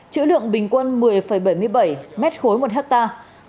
chữ lượng bình quân một mươi bảy mươi bảy m ba một hectare